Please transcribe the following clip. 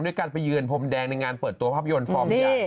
ด้วยการไปเยือนพรมแดงในงานเปิดตัวภาพยนตร์ฟอร์มใหญ่